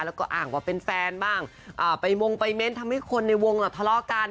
แล้วก็อ้างว่าเป็นแฟนบ้างไปมงไปเน้นทำให้คนในวงทะเลาะกัน